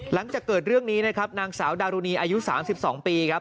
หลังจากเกิดเรื่องนี้นะครับนางสาวดารุณีอายุ๓๒ปีครับ